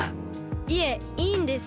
いえいいんです。